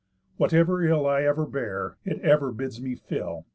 Whatever ill I ever bear, it ever bids me fill.